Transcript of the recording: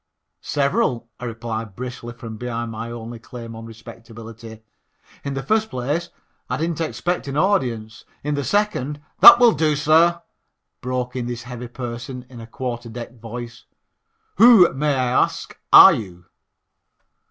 "Several," I replied briskly from behind my only claim on respectability. "In the first place, I didn't expect an audience. In the second " "That will do, sir," broke in this heavy person in a quarterdeck voice. "Who, may I ask, are you?"